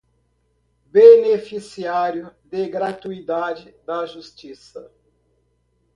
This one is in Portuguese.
beneficiário de gratuidade da justiça